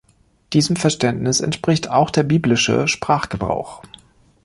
Diesem Verständnis entspricht auch der biblische Sprachgebrauch.